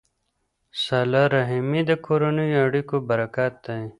صله رحمي د کورنیو اړیکو برکت دی.